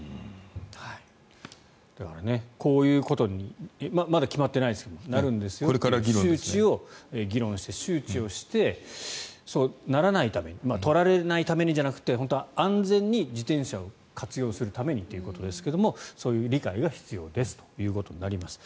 こういうことにまだ決まってないですけどこうなるんですよということを議論して周知をしてそうならないために取られないためじゃなくて安全に自転車を活用するためにということですがそういう理解が必要ですとなります。